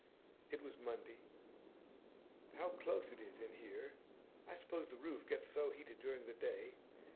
It was Monday. 'How close it is in here! I suppose the roof gets so heated during the day.